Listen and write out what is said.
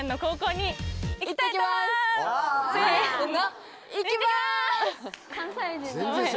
せの。